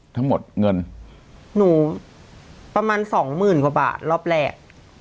ทั้งหมดเงินหนูประมาณสองหมื่นกว่าบาทรอบแรก